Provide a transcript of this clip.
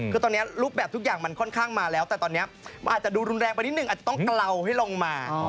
คือตอนนี้รูปแบบทุกอย่างมันค่อนข้างมาแล้วแต่ตอนนี้มันอาจจะดูรุนแรงไปนิดนึงอาจจะต้องเกลาให้ลงมา